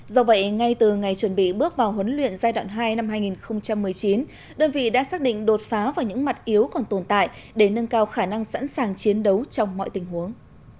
do vậy ngay từ ngày chuẩn bị bước vào huấn luyện giai đoạn hai năm hai nghìn một mươi chín đơn vị đã xác định đột phá vào những mặt yếu còn tồn tại để nâng cao khả năng sẵn sàng chiến đấu trong mọi tình huống